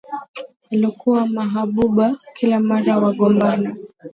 Walokuwa mahabuba, kila mara wagombana,